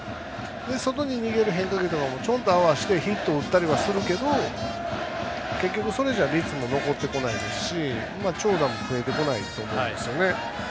外に逃げる変化球とかにちょんっと合わせてヒットを打ったりするけど結局、それじゃ率も残ってこないですし、長打も増えてこないと思うんですね。